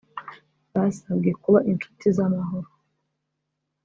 Basabwe kuba inshuti z’amahoro